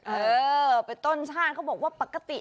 เออไปต้นชาติเขาบอกว่าปกติ